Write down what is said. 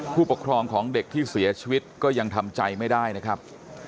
ผู้ปกครองของเด็กที่เสียชีวิตก็ยังทำใจไม่ได้นะครับ